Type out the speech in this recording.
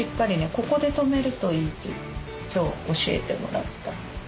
ここで止めるといいって今日教えてもらった。